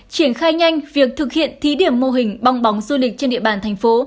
triển khai nhanh việc thực hiện thí điểm mô hình bong bóng du lịch trên địa bàn thành phố